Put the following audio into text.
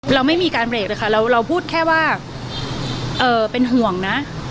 เราไม่มีการเบรกเลยค่ะเราพูดแค่ว่าเป็นห่วงนะ